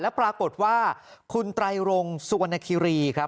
ปรากฏว่าคุณไตรรงสุวรรณคิรีครับ